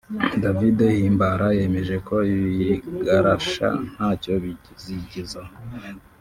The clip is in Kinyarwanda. David Himbara yemeje ko ibigarasha ntacyo bizigezaho